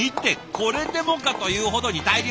これでもかというほどに大量に。